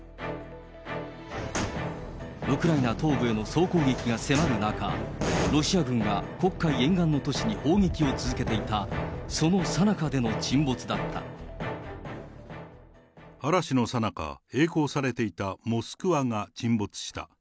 ウクライナ東部への総攻撃が迫る中、ロシア軍が黒海沿岸の都市に砲撃を続けていたそのさなかでの沈没嵐のさなか、えい航されていたモスクワが沈没した。